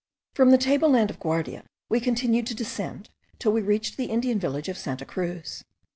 From the table land of Guardia we continued to descend, till we reached the Indian village of Santa Cruz.